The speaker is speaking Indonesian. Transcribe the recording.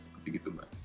seperti gitu mbak